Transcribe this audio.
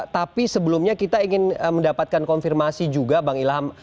tapi sebelumnya kita ingin mendapatkan konfirmasi juga bang ilham